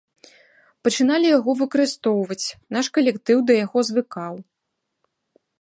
Пачыналі яго выкарыстоўваць, наш калектыў да яго звыкаў.